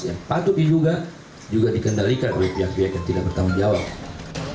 yang patut diduga juga dikendalikan oleh pihak pihak yang tidak bertanggung jawab